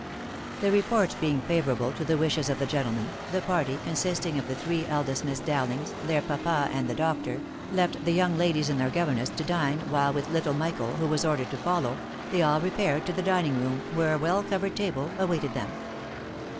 The report being favourable to the wishes of the gentleman, the party, consisting of the three eldest Miss Dowlings, their papa and the doctor, left the young ladies and their governess to dine, while, with little Michael, who was ordered to follow, they all repaired to the dining room, where a well covered table awaited them.